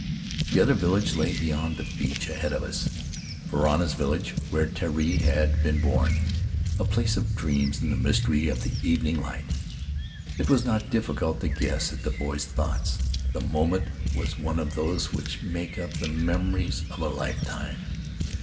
The other village lay beyond the beach ahead of us, Varana's village, where Terii had been born — a place of dreams in the mystery of the evening light. It was not difficult to guess at the boy's thoughts — the moment was one of those which make up the memories of a lifetime.